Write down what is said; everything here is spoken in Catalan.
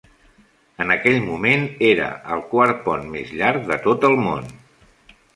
En aquell moment, era el quart pont més llarg de tot el món.